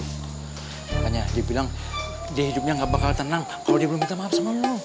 makanya dia bilang dia hidupnya gak bakal tenang kalau dia belum minta maaf semua